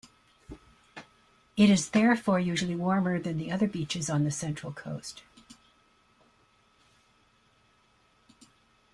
It is therefore usually warmer than the other beaches on the Central Coast.